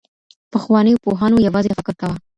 پخوانيو پوهانو يوازي تفکر کاوه.